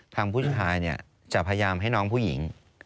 ทางผู้ชายจะพยายามให้น้องผู้หญิง